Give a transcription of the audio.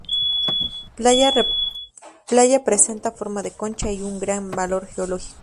Playa presenta forma de concha y un gran valor geológico.